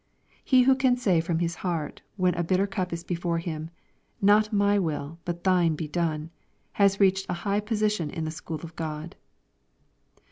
He who can say from his heart, when a bitter cup is before him, " Not my will, but thine be done," has reached a high position in the school of God.